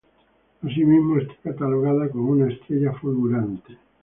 Asimismo, está catalogada como una estrella fulgurante.